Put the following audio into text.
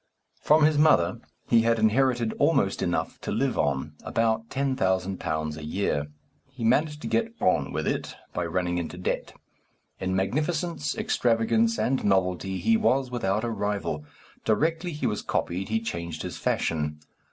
From his mother he had inherited almost enough to live on, about £10,000 a year. He managed to get on with it by running into debt. In magnificence, extravagance, and novelty he was without a rival. Directly he was copied he changed his fashion.